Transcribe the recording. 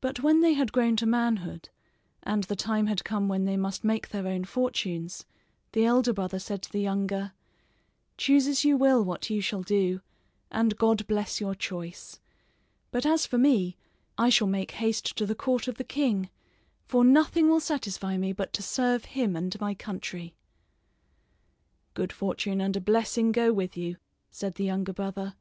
But when they had grown to manhood, and the time had come when they must make their own fortunes, the elder brother said to the younger: "Choose as you will what you shall do, and God bless your choice; but as for me I shall make haste to the court of the king, for nothing will satisfy me but to serve him and my country." "Good fortune and a blessing go with you," said the younger brother.